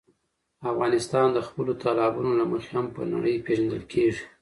افغانستان د خپلو تالابونو له مخې هم په نړۍ پېژندل کېږي.